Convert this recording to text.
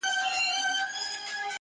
كه دي زما ديدن ياديږي ـ